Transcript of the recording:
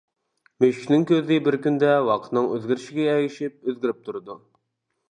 مۈشۈكنىڭ كۆزى بىر كۈندە ۋاقتىنىڭ ئۆزگىرىشىگە ئەگىشىپ ئۆزگىرىپ تۇرىدۇ.